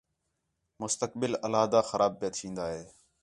مُستقبل علیحدہ خراب پِیا تِھین٘دا ہِے